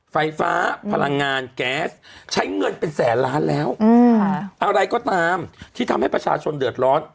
ไฟฟ้าพลังงานแก๊สใช้เงินเป็นแสนล้านแล้วอะไรก็ตามที่ทำให้ประชาชนเดือดร้อน